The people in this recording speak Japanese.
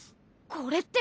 これって。